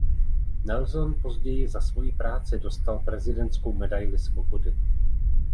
Nelson později za svoji práci dostal prezidentskou medaili svobody.